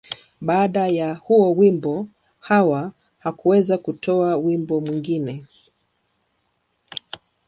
Baada ya huo wimbo, Hawa hakuweza kutoa wimbo mwingine.